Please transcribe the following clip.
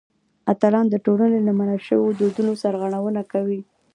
اتلان د ټولنې له منل شویو دودونو سرغړونه کوي.